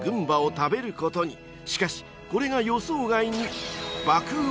［しかしこれが予想外に］